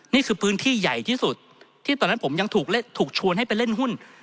นี่คือพื้นที่ใหญ่ที่สุดที่ตอนนั้นผมยังถูกชวนให้ไปเล่นหุ้น